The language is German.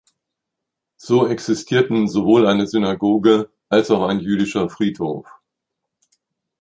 So existierten sowohl eine Synagoge als auch ein Jüdischer Friedhof.